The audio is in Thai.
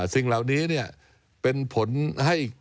สิ่งเหล่านี้เป็นผลให้